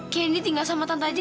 candy tinggal sama tante aja